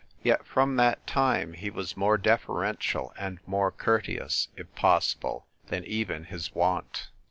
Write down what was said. Yet from that time he was more deferential and more courteous, if possible, than even his wont.